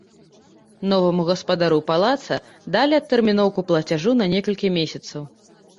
Новаму гаспадару палаца далі адтэрміноўку плацяжу на некалькі месяцаў.